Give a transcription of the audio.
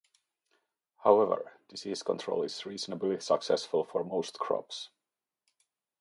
However, disease control is reasonably successful for most crops.